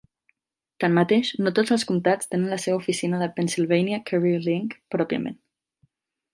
Tanmateix, no tots els comtats tenen la seva oficina de Pennsylvania CareerLink pròpiament.